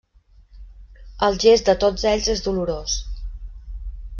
El gest de tots ells és dolorós.